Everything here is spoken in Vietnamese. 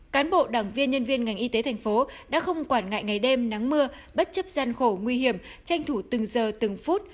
cán bộ đảng viên nhân viên ngành y tế thành phố đã không quản ngại ngày đêm nắng mưa bất chấp gian khổ nguy hiểm tranh thủ từng giờ từng phút